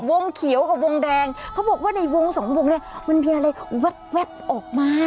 เขียวกับวงแดงเขาบอกว่าในวงสองวงเนี่ยมันมีอะไรแวบออกมา